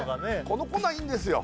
このコーナーいいんですよ